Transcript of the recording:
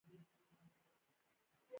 د نړۍ د دې برخې د نورو پوهانو کیسه.